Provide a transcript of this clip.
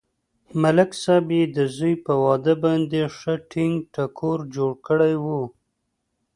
ملک صاحب یې د زوی په واده باندې ښه ټنگ ټکور جوړ کړی و.